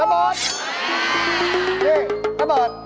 ทะเบิร์ดเฮ่ยทะเบิร์ด